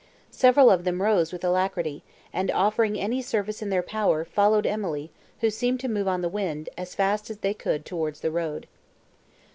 Several of them rose with alacrity, and, offering any service in their power, followed Emily, who seemed to move on the wind, as fast as they could towards the road.